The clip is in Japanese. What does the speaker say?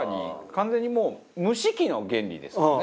完全にもう蒸し器の原理ですよね